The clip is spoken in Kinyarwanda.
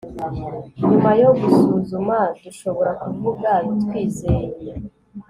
Nyuma yo gusuzuma dushobora kuvuga twizeye